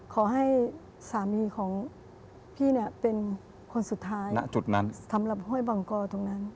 ขอให้สามีของพี่เป็นคนสุดท้ายสำหรับห้วยบังกอดตรงนั้น